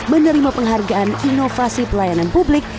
menerima penghargaan inovasi pelayanan publik